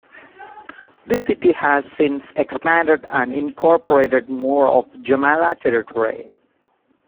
The city has since expanded and incorporated more of Jomala territory.